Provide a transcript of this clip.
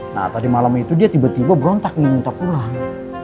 nah tadi malam itu dia tiba tiba berontak minta pulang